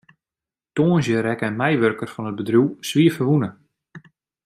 Tongersdei rekke in meiwurker fan it bedriuw swierferwûne.